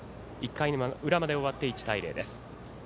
１回の裏まで終わって１対０です。